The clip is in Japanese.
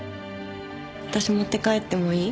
私持って帰ってもいい？